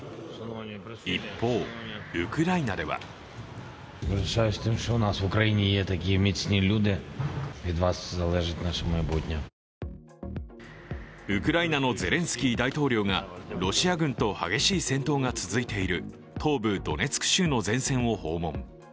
一方、ウクライナではウクライナのゼレンスキー大統領がロシア軍と激しい戦闘が続いている東部ドネツク州の前線を訪問。